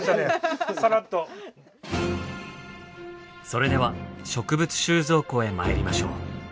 それでは植物収蔵庫へ参りましょう。